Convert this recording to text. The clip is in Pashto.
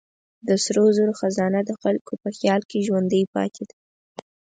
د سرو زرو خزانه د خلکو په خیال کې ژوندۍ پاتې ده.